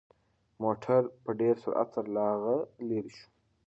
موټر په ډېر سرعت سره له هغه لرې شو.